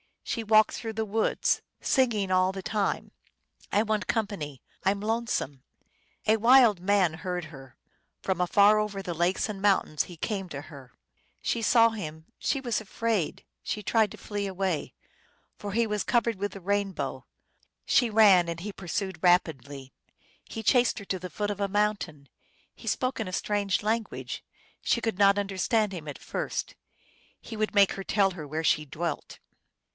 She walked through the woods, Singing all the time, I want company ; I m lonesome ! A wild man heard her : From afar over the lakes and mountains He came to her. She sa%v him : she was afraid ; She tried to flee away, For he was covered with the rainbow ; Color and light were his garments. She ran, and he pursued rapidly ; He chased her to the foot of a mountain. 310 THE ALGONQUIN LEGENDS. He spoke in a strange language ; She could not understand him at first. He would make her tell where she dwelt.